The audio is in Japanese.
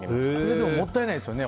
でも、もったいないですよね。